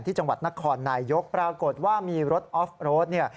ที่จังหวัดนครนายยกปรากฏว่ามีรถออฟโรด